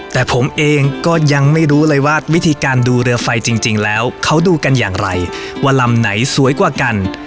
แต่ผมเองก็ยังไม่รู้เลยว่าวิธีการดูเรือไฟจริงแล้วเขาดูกันอย่างไรว่าลำไหนสวยกว่ากัน